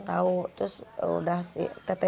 karena kondisi itulah